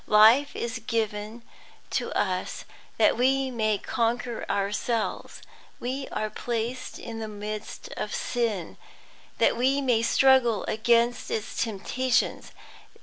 Life is given to us that we may conquer ourselves. We are placed in the midst of sin that we may struggle against its temptations.